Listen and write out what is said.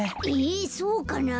えそうかな？